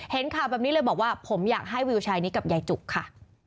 ข่าวแบบนี้เลยบอกว่าผมอยากให้วิวชายนี้กับยายจุกค่ะ